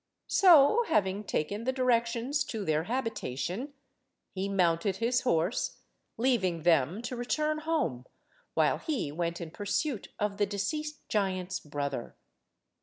So, having taken the directions to their habitation, he mounted his horse, leaving them to return home, while he went in pursuit of the deceased giant's brother.